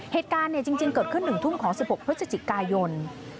เหตุการณ์จริงเกิดขึ้น๑ทุ่มของ๑๖พฤศจิกายน